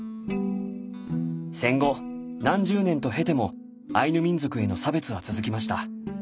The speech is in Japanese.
戦後何十年と経てもアイヌ民族への差別は続きました。